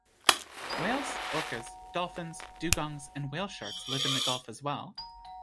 Whales, orcas, dolphins, dugongs, and whale sharks live in the gulf as well.